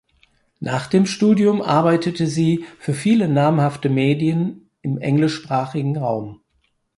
Nach dem Studium arbeitete sie für viele namhafte Medien im englischsprachigen Raum.